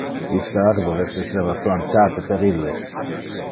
Iste arbores esseva plantate per illes.